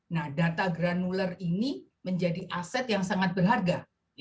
nah data granuler ini menjadi aset yang sangat berharga